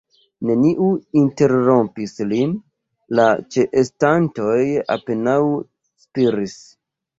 Neniu interrompis lin; la ĉeestantoj apenaŭ spiris.